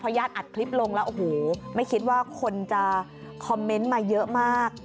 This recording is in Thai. ญาติอัดคลิปลงแล้วโอ้โหไม่คิดว่าคนจะคอมเมนต์มาเยอะมาก